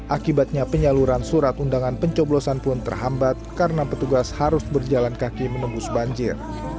akibatnya penyaluran surat undangan pencoblosan pun terhambat karena petugas harus berjalan kaki menembus banjir